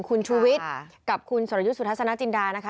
คุณชุวิตกับคุณสรยุสุทธาสนาจินดานะคะ